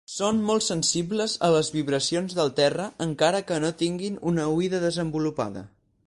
Són molt sensibles a les vibracions del terra encara que no tinguin una oïda desenvolupada.